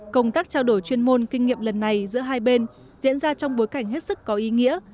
công tác trao đổi chuyên môn kinh nghiệm lần này giữa hai bên diễn ra trong bối cảnh hết sức có ý nghĩa